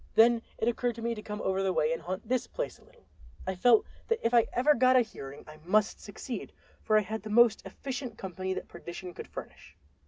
Then it occurred to me to come over the way and haunt this place a little. I felt that if I ever got a hearing I must succeed, for I had the most efficient company that perdition could furnish.